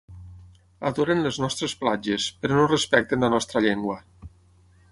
Adoren les nostres platges però no respecten la nostra llengua.